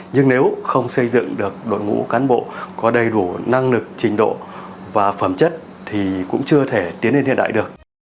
nhưng nếu không xây dựng được đội ngũ cán bộ có đầy đủ năng lực trình độ và phẩm chất thì cũng chưa thể tiến lên hiện đại được